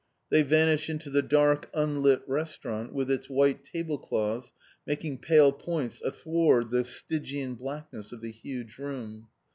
They vanish into the dark, unlit restaurant with its white table cloths making pale points athward the stygian blackness of the huge room.